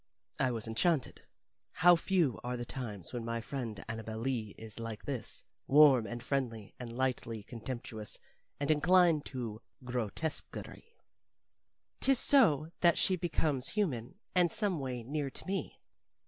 I was enchanted. How few are the times when my friend Annabel Lee is like this, warm and friendly and lightly contemptuous and inclined to grotesquerie. 'Tis so that she becomes human and someway near to me.